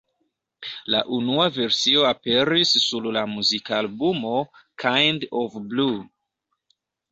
La unua versio aperis sur la muzikalbumo Kind of Blue.